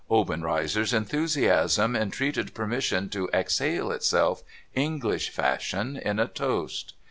Obenreizer's enthusiasm entreated permission to exhale itself, English fashion, in a toast.